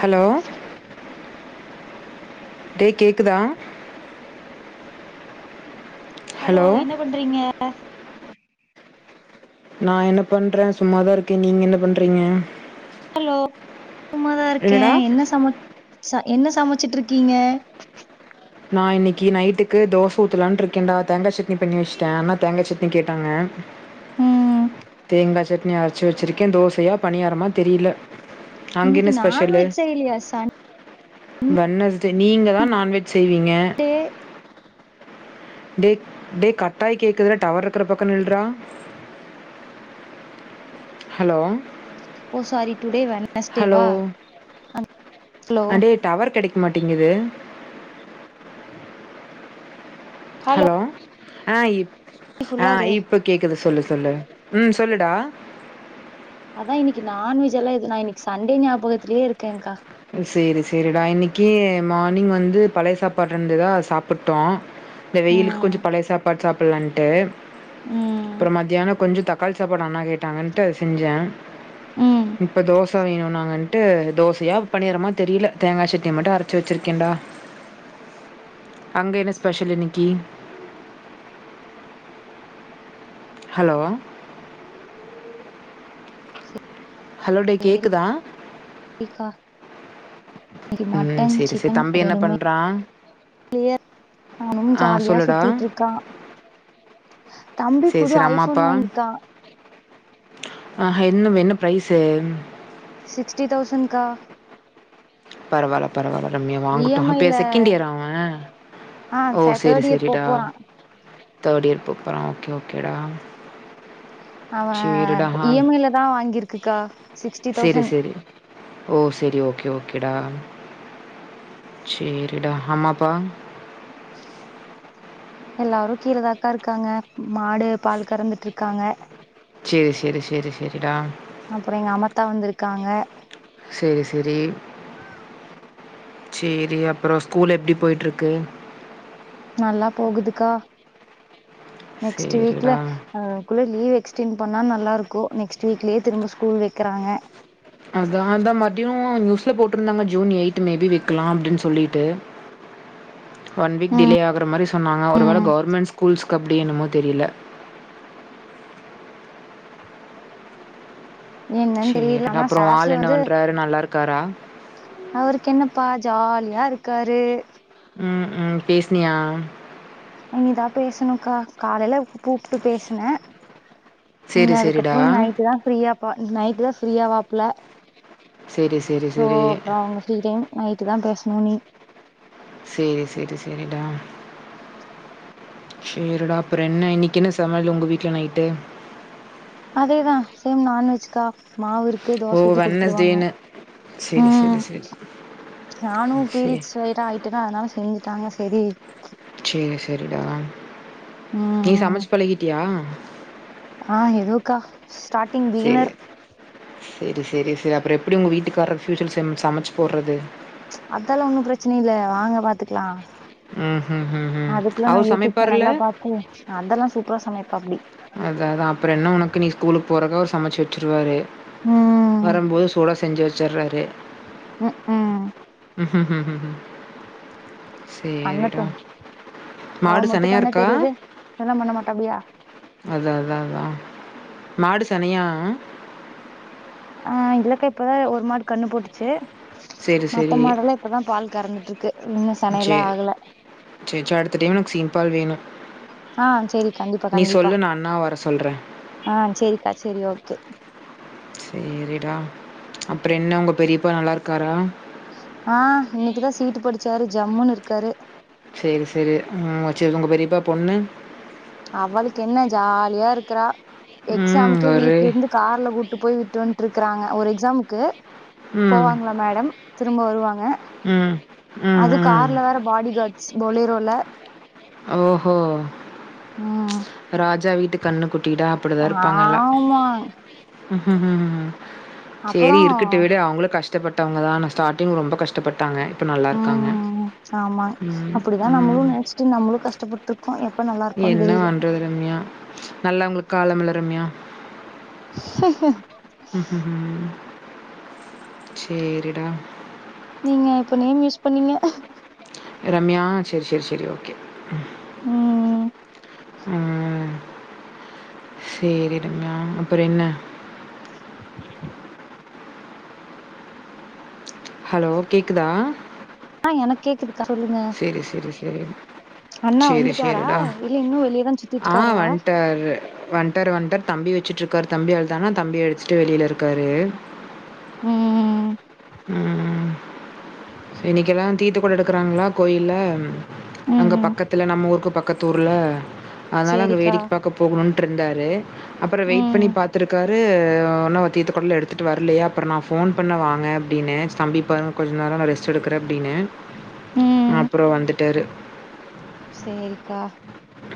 Hello டே கேக்குதா hello என்ன பண்றீங்க நா என்ன பண்றே சும்மாதா இருக்கே நீங்க என்ன பண்றீங்க ஹலோ சம்மாதா இருக்கே என்ன சம ச என்ன சமைச்சிட்ருக்கீங்க நா இன்னிக்கு நைட்டுக்கு தோச ஊத்தலானு இருக்கேன்டா தேங்காச்சட் ரெடி பண்ணி வச்சட்ட ஆனா தேங்காச்சட் டு கேட்டாங்க ம் தேங்கா சட்னி அரச்சி வச்சிருக்கே தோசையா பனியாரமா தெரியில இன்னிக்கு நான்வெஜ் செய்லையா சன் வென்னஸ்டே நீங்க தா நான்வெ செய்வீங்க டே டே கட்டாயி கேக்குதுறா டவர் இருக்குற பக்கோ நில்றா ஹலோ ஒ சாரி டுடே வெனஸ்டே ஹலோ வா அ அடே டவர் கெடைக் மாட்டிங்கிது ஹலோ ஆ இப் ஆ ஃபுல்லா இருக்கே இப்ப கேக்குது சொல்லு சொல்லு ம் சொல்லுடா அதா இன்னைக்கு நான்வெஜ் எல்லா எது நா இன்னைக்கு சண்டே ஞாபகத்திலியே இருக்க கா செரி செரிடா இன்னிக்கி மானிங் வந்து பழய சாப்பாட்ருந்ததா அத சாப்புட்டோ இந்த வெயிலுக் ம் கொஞ்ச பழய சாப்பாடு சாப் அப்புலன்டு ம் அப்புறோ மத்தியானோ கொஞ்சோ தக் காள் சாப்பாடு அண்ணா கேட் டாங்கன்ட்டு அது செஞ்சே ம் இப்ப தோஸ் ச வேணுனாங்கன்ட்டு தோசையா பண்ணிறோமா தெரியல தேங்காய் சட்னிய மட்டு அரச்சி வெச்சுருக்கேண்டா அங்க என்ன ஸ்பெஷல் இன்னைக்கி ஹலோ ஹலோ டே சேரி கேக்குதா சேரிக்கா இன்னைக்கு ம் மட்டன் சேரி சேரி சிக்கன் தம்பி என்ன ரெண்டுமே பண்றா கிளியர் அவ்னும் ஆ ஜாலியா சொல்லுடா சுத்திட்டுருக்கா தம்பி சேரி புது ஐ ஃபோன் வாங்கிக்கா ஆஹ் என்ன என்ன பிரைஸ்சு சிக்ஸ்டி தௌசன் கா பரவால்ல பரவால்ல ரம்யா இ வாங்கட்டு எம் ஐ இப்ப ல செகண்ட் இயரா அவே ஆ ச ஓ செரி தேர்ட் இயர் போ செரிடா போறா தேர்டு இயர் போ போறா ஓகே ஓகேடா அவே சேரிடா. ஆ இ எம் ஐ ல தா வாங்கியிருக்குக்கா சிக்ஸ்டி சரி தௌசன் டா சேரிடா அம்மா அப்பா எல்லாரு கீழதாக்கா இருக்காங்க மாடு பால் கறந்துட்டு இருக்காங்க சேரி செரி செரி செரிடா அப்புறோ எங்க அம்மத்தா வந்துருக்காங்க செரி செரி சேரி அப்புறோ ஸ்கூல் எப்டி போயிட்டுருக்கு நல்லா போகுதுக்கா நெக்ஸ்ட் வீக்ல சரிடா. அதுக்குள்ள லீவ் எக்ஸ்டென் பண் ணா நல்லா இருக்கு நெக்ஸ்ட் வீக்லேயே திரும்ப ஸ்கூல் வக்கிறாங்க அதா அத மதியு நியூஸ்ல போட்ருந்தாங்க ஜூன் எய்ட் மே பி வக்கலாம் அப்டினு சொல்லிட்டு ஒன் வீக் டிலே ஆகுற மாரி சொன்னாங்க ஒரு வேள ம் கவுர்மெண்ட் ஸ்கூல்ஸ் கு அப்டி என்னமோ தெரியல என்னனு தெரியல சரிடா. ஆனா அப்புறம் சாசு ஆள் என்ன வந்து பண்றாரு? நல்லா இருக்காரா? அவருக்கு என்னப்பா ஜாலி யா இருக்காரு உம் உம் பேசுனியா இனிதா பேசணுக்கா காலேல கூப்ட்டு பேசுன சரி, உம் சரிடா. அதுக்கப்பறோ நைட்டு தா ஃப்ரீயா பா நைட்டு தா ஃப்ரீயா ஆவாப்புல செரி செரி செரி டைம் நைட்டு தா பேசணு நீ செரி செரி செரிடா சேரிடா அப்பற என்ன இன்னைக்கு என்ன சமயலு உங்க வீட்ல நைட்டு அதேதா சேம் நான்வெஜ்க்கா மாவு இருக்கு ஓ! தோச ஊத்தி குடுத்துருவாங்க வெட்னஸ்டேன்னு. சரி, உம் சரி, சரி. நானு சரி. பீரியட்ஸ் வேற ஆயிட்டேனா அதனால செஞ்சு விட்டாங்க சரி சேரி சேரிடா நீ சமைச்சு பழகிட்டியா ஆஹ் எதோக்கா ஸ்டார்ட் ட்டிங் பிகினர் செரி செரி செரி அப்புற எப்படி உங்க வீட்டுக்கார ஃபயூச்சர் சம் சமைச்சு போடுறது அதலா ஒன்னும் பிரச்சனை இல்ல வாங்க பாத்துக்கலா ம் ம் ம் ம் அதுக்குல்லா நா அவரு யூடியூப் சேனல் சமைப்பாருல்ல எல்லா பாக்கு அதெல்லா சூ ப்ப சமைப்பாப்டி அதா அதா அப்புற என்ன உனக்கு நீ ஸ்கூலுக்கு போறக்கு அவுரு சமைச்சு வச்சுருவாரு ம் வரும்போது சூடா செஞ்ச வச்சு சர்றாரு உ உம் உம் உம் உஹம் உ உ செரிடா பண்ணட்டும் மாடு லவ் மட்டு செனையா பண்ண இருக்கா தெரியுது இதெல்லா பண்ண மாட்டாப்டியா அதா அதா அதான் மாடு செனையா ஆஹ் இல்லக்கா இப்பதா ஒரு மாடு கண்ணு போட்டுச்சு மத்த மாடுலா இப்பதா பால் கறந்துட்டு இருக்கு இன்னு சரி செனையெல்லா ஆகல சரி சரி அடுத்து டைம் எனக்கு சீ ம்பால்வேனு ஆ சேரி கண்டிப்பா கண்டிப்பா நான் அண்ணாவ வர சொல்றேன். ஆ சேரிக்கா சேரி ஓகே சேரிடா அப்றொ என்ன உங்க பெரியப்பா நல்லா இருக்காரா ஆ இன்னக்கிதா சீட்டு படிச்சாரு ஜம்முன்னு இருக்காரு சேரி சேரி ம் சேரி உங்க பெரியப்பா பொண்ணு அவளுக்கு என்ன ஜாலியா இருக்றா ம் எக்ஸாம்கே ஒரு வீட்ல இருந்து கார்ல கூட்டு போய் விட்டு வன்ட்ரு க்குறாங்க ஒரு எக்ஸாமுக்கு ம். போவாங்களா மேடம் திரும்ப வருவா ங்க ம். ம். அதுவு ம். கார்ல வேற பாடி காட் ஸ்பொலிரோல ஓஹோ ம் ராஜா வீட்டு கன்னு கு ஆமாங் செரி இருக்கட்டு விடு அவங்களு கஷ் டப்பட்டவங்கதான ஸ்டார்டிங் ரொம்ப கஷ்டப்பட்டாங்க இப்ப நல்லா இருக்காங்க. ம் ஆமாங் ம். அப்புடிதா நம்மளு ம். நெனச்சுட்டு நம்மளு கஷ்டப்பட்ருக்கோ எப் என்ன வண்றது ரம்யா நல்லவங்ளுக் காலமில்ல ரம்யா சேரிடா நீங்க இப்ப நேம் யூஸ் பண்ணிங்க ரம்யா செர் செர் செரி ஓகே ம் ம் ம் சேரி ரம்யா அப்பற என்ன ஹலோ கேக்குதா கா சொல்லுங்க ரி அண்ணா செரி வந்துட்டாரா செரிடா இல்ல இன்னு வெளியதா சுத்திட்டு ஆ இருக்காரா வண்டாரு வண்டாரு வண்டார் தம்பி வெச் சுட்ருக்காரு தம்பி அழுதானா தம்பிய வெச்சுட்டு வெளில இருக்காரு ம் ம் இன்னைக்கெல்லா தீத்த கொட எடுக்கறாங்ளா கோயில்ல ம் அங்க ம் பக்கத்துல நம்ம ஊருக்கு பக் கத்தூர்ல அதனால அங்க சேரிக்கா வேடிக்க பாக்கப் போகணுன் ட்ருந்தாரு அப்பற வெயிட் பண்ணி ம் பாத்துருக்காரு ஒன்னு தீத்த கொடலா எடுத்துட்டு வர்லயா அப்ற நா ஃபோன் பண்ண வாங்க அப்டின்னு தம்பிய பாருங்க கொஞ்ச நேர நா ரெஸ் ட் எடுக்குற அப்டினு ம் அப்றோ வந்துட்டாரு சேரிக்கா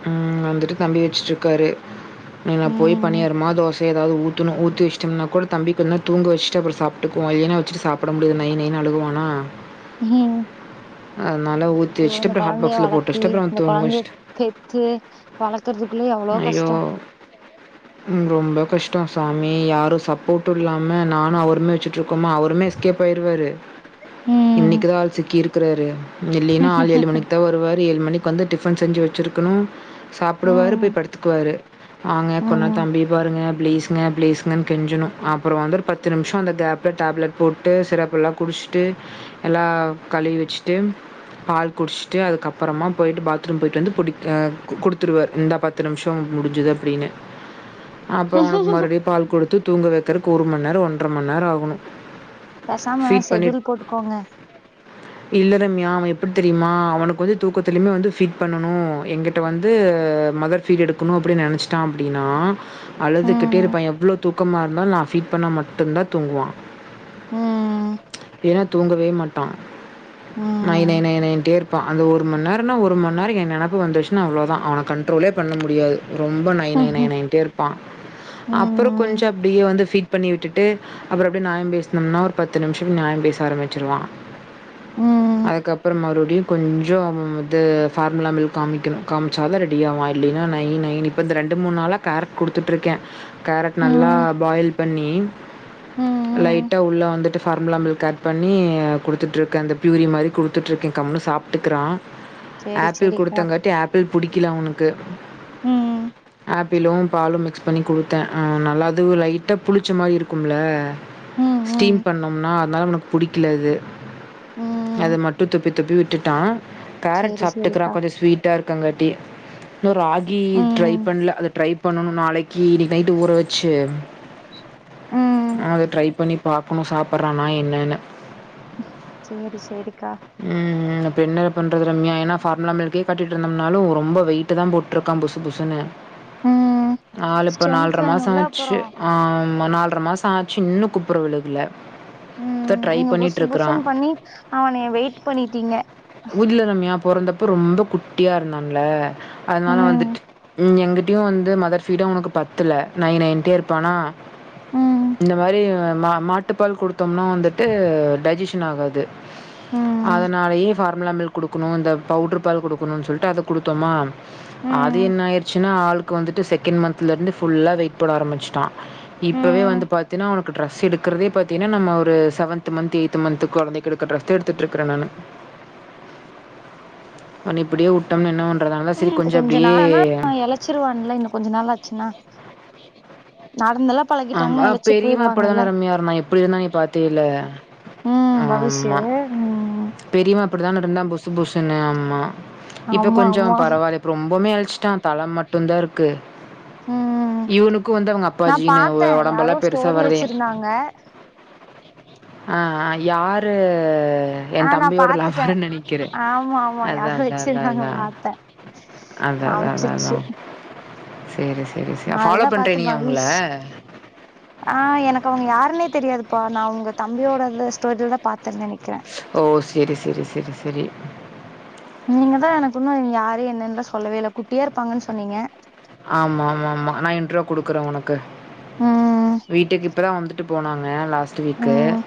ம் வந்துட்டு தம்பிய வெச்சுட்ருக்காரு ம் நா போய் பனியாரமா தோச எதாது ஊத்தனு ஊத்தி வெச்ட்டம்னா கூட தம்பிய கொஞ் நேர தூங்க வெச்ட்டு அப்றோ சாப்ட்டுக்குவோ இவன வெச்சுட்டு சாப்புட முடியாது நை நைனு அழுகுவானா ம் அ தனால ஊத்தி ஐயோ வெச்ட்டு இந்த அப்ற கொழந்தைய ஹாட்பாக்ஸ்ல போட்டு வளத்தி வெச்ட்டு அப்றொ இந்த தூங்க கொழந்தைய வெச்ட்டு பெத்து வளக்குறதுக்குள்ள எவ்ளோ ஐயோ! கஷ்டோ ம் ரொம்ப கஷ்டோ சாமி யாரு சப்போட்டு இல்லாம நானு அவருமே வெச்சு ற்ருக்கோமா அவருமே எஸ்கேப் ஆயிருவாரு ம் இன்னைக்குதா ஆள் சிக்கிருக் தருவாரு இல்லைன்னா ஆள் ஏழு மணிக்கு தா வருவார் ஏழு மணிக்கு வந்து டிஃபன் செஞ்சு வெ சுருக்கணு சாப்புடுவாரு ம் போய் படுத்துக்குவாரு வாங்க கொன்னா ம் தம்பிய பாருங்க பிளீஸுங்க பிளீஸுங்கன்னு கெஞ்சணு அப்புறோ வந்து ஒரு பத்து நிமிஷொ அந்த கேப்பில டேப்லெட் போட்டு சிரப் எல்லா குடிஷ்டு எல்லா கலுவி வெச்ட்டு பால் குடிஷ்டு அதுக்கப்புறமா போயிட்டு பாத்ரூம் போயிட்டு வந்து புடிக்க கு குடுத்துருவார் இந்தா பத்து நிமிஷொ முடிஞ்சிது அப்டின்னு அப்புரோ உனக்கு மறுபடியு பால் குடுத்து தூங்குவவேக்குரக்கு ஒரு மண்நேரோ ஒன்ற மண்நேரோ ஆகணு பேசாம ஷெட்யூல் போட்டுக்கோங்க இல்ல ரம்யா அவ எப்டி தெரியுமா அவனுக்கு வந்து தூக்கத்திலியுமே வந்து ஃபீட் பண்ண னு எங்கிட்ட வந்து மதர் ஃபீட் எடுக்கணு அப்டின்னு நெனச்சிட்டா அப்டின்னா அழுதுகிட்டே ம் இருப்பா எவ்ளோ தூக்கமா இருந்தாலு நா ஃபீட் பண்ணா மட்டுந்தா தூங்குவா ம் ஏனா தூங்கவே மாட் ட நை நை ம் நைண்ட்டே இருப்பா அந்த ஒரு ஒரு மண்நேரோனா ஒரு மண்நேரோ என் நெனப்பு வந்துச்சுன்னா அவ்ளோ தா அவன கண்ட்ரோலே பண்ண முடியாது ரொம்ப நை நை நை ம் நைன்ட்டே இருப்பா அப்புறொ ம் கொஞ்சொ அப்டியே வந்து ஃபிட் பண்ணி விட்டுட்டு அப்புறோ அப்டியே நியாயம் பேஸ்னோம்னா ஒரு பத்து நிமிஷொ நியாயம் பேச ஆரம்பிச்சடுவா ம் அதுக்கப் அப்புறொ மறுபடியு கொஞ்சோ அது ஃபார்முலா மில் காமிக்கணு காமிச்சாதா ரெடி ஆவா இல்லைன்னா நை நைனு இப்ப இந்த ரெண்டு மூணு நாளா கேரட் குடுத்துட்டு இருக்கே கேரட் நல்லா ம் பாயில் பண்ணி லை ம் கிட்ட உள்ளேந்துட்டு ஃபார்முலா மில்க் ஆட் பண்ணி குடுத்துட்டுயிருக்கே அந்த ப்யூரி மாரி குடுத்துட்டுயிருக்கே கம்முனு சாப்ட்டுக்கறா செரி செரிக்கா டாங்கட்டி ஆப்பிள் புடிக்கல அவனுக்கு ம் ஆப்பிளு பாலு மிச் பண்ணி கொடுத்தே ஆ நல்லாது லைட்டா புளிச்ச மாரி இருக்கும்ல ம் ம் ஸ்டீம் பண்ணோம்னா னா இவனுக்கு புடிக்கல அது அது ம் மட் துப்பி துப்பி விட்டுட்டா கேரட் சேரி சாப்ட்டுக்றா சேரிக்கா கொஞ்ச ஸ்வீட்டா இருக்கங்கா ட்டி இன்னு ரா கி ட்ரை ம் பண்ல அத ட்ரை பண்ணணு நாளைக்கு இன்னைக்கு நைட் ஊற வெச்சு ம் அது ட்ரை பண்ணி பாக்கணு சாப்பட்றானா என்னன்னு சேரி சேரிக்கா ம், இப்போ என்ன பண்றது ரம்யா ஏனா ஃபார்முலா மில்க் கே காட்டிட்ருந்தம்னாலு ரொம்ப வெயிட்டுதா போட்டுட்ருக்கா புசு புசுனு ம் நாலு இப்போ ஸ்ட்ரென்த் நால்ர மாச வேணுல்ல ஆச்சு அப்பறோ ஆ நால்ர மாச ஆச்சு இன்னு குப்பற விழுகுல ம் நீங்க புஷு புஷுன் பண்ணி அவனய வெயிட் பண்ணிட்டிங்க பொறந்தப்ப ரொம்ப குட்டியா இருந்தான்ல அதனால ம் வந்துட்டு ம் எங்கி ட்டயு வந்து மதர் ஃபீடு அவுனுக்கு பத்துல நை நைன்ட்டே இருப்பானா ம் இந்த மாரி மா மாட்டுப்பால் குடு குடுத்தோம்னா வந்துட்டு டைஜஸ்ட் ஓன்னு ஆகாது ம் அதனாலயே ஃபார்முலா மில்க் குடுக்கும் இந்த பவுடர் பால் குடுக்க குடுக்கணும்ன்னு சொல்லிட்டு அத குடுத்தோமா அது ம் என்ன ஆயிடுச்சுன்னா ஆளு க்கு வந்துட்டு செகண்ட் மந்த்ல இருந்து ஃபுல்லா வெயிட் போட ஆரம்பிச்சுட்டான் இப்பவே ம் வந்து பாத்தீன்னா உனக்கு டிரஸ் எடுக்க இருக்கிறத பாத்தீங்கன்னா நம்ம ஒரு செவன்த் மந்த்த எயிட்த் மந்த் குழந்தைக்கு எடுக்கற ர எடுத்துட்டு இருக்கறேன் நானு அவன் இப்டியே உட்டோம்ன்ன பன்ற ம் கொஞ்சோ நாள்னா இழச்சிருவான்ல இன்னும் கொஞ்ச நாள் ஆச்சுன்னா நடந்தெல்லா பழகிட்டாங்கன்னா ஆமா எழச்சு பெரியவன் போயிருவாங்கல்ல அப்டிதானே ரம்மியா நான் எப்டி இருந்தான் நீ பாத்தில்ல ம் ஆ பவிஷு ஆமா ம் பெரியவன் அப்டித்தான இருந்தான் புசு புசுனே ஆமா இப்ப ஆமா கொஞ்சோ ஆமா பரவாயில்ல இப்ப ரொம்பமே இழ ச்சிட்டான் தல மட்டும்தான் இருக்கு இவனுக்கும் வந்த அவங்க அப்பாஜி பாத்தேன் யாரோ ஸ்டோரி வச்சிருந்தாங்க அஹ் அஹ் யாரு ஆ என் நா தம்பியோட பாத்துட்டே லவ்ருன்னு நினைக்கிறன் ஆமா ஆமா யாரோ அதான் அதான் வச்சிருந்தாங்க அதான் பாத்தே அதான் அதான் அதான் காமிச்சிச்சு அதான் செரி செ செரி ஃபாலோ நாலதா பாத்து பண்ணுறீங்களா அவங்கள பவிஷ் ஆ எனக்கு அவங்க யாருன்னே தெரியாதுப்பா நான் உங்க தம்பியோட அந்த ஸ்டோரியில தான் பாத் ஓ செரி செரி செரி செரி நீங்க தான் எனக்கு இன்னும் யாரே என்னன்ன சொல்லவே இல்ல குட்டியா இருப்பாங்கன்னு சொன்னீங்க ஆமா ஆமா ஆமா நான் இன்றோ குடுக்குறேன் உனக்கு ம் வீட்டுக்கு இப்பதான் வந்து ட்டு போனாங்க லாஸ்ட் ஸ்டுவீக்கு ம்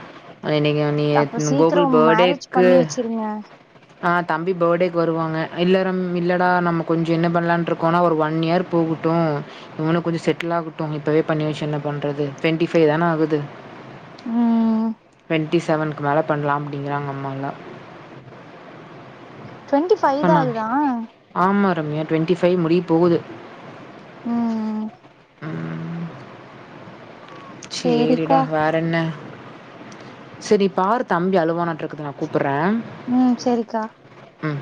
இன்னைக்கு நீ அப்ப சீக்கிரோ கோகுல் மேரேஜ் பர்த்டேக்கு பண்ணி வச்சிருங்க ஆ தம்பி பர்த்டேக்கு வருவாங்க இல்லறம் இல்லைடா நம்ம கொஞ்சோ என்ன பண்ணலாண்டு இருக்கோன்னா ஒரு ஒன் இயர் போகட்டும் இவனுக்கு கொஞ்சோ செட்டில் ஆகட்டும் இப்போவே பண்ணி வச்சு என்ன பண்ணுறது ட்வெண்ட்டி ஃபைவ் தானே ஆகுது ம் ட்வென்டிசெவன்க்கு மேல பண்ணலாம் அப்படிங்கறாங்க அம்மால ட்வெண்ட்டி ஃபைவ் தான் ஆகுதா கம்ய ட்வெண்ட்டி ஃபைவ் முடிய போகுது உம் உம் சேரிடா சேரிக்கா வேற என்ன சேர் நீ பாரு தம்பி அழுவானாட்ற்றுக்குது நா கூப்புட்றே ம் சேரிக்கா ம்